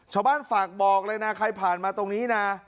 ชาวบ้านฝากบอกเลยน่ะใครผ่านมาตรงนี้น่ะ